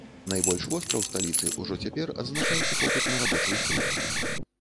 Найбольш востра ў сталіцы ўжо цяпер адзначаецца попыт на рабочую сілу.